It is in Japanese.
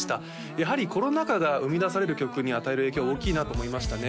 やはりコロナ禍が生み出される曲に与える影響大きいなと思いましたね